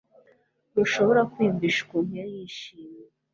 Ntushobora kwiyumvisha ukuntu yari yishimye